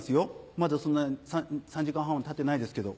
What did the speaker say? まだそんな３時間半はたってないですけど。